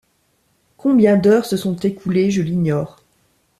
Combien d’heures se sont écoulées, je l’ignore...